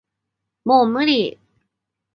もう無理